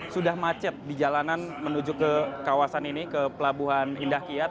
sudah macet di jalanan menuju ke kawasan ini ke pelabuhan indah kiat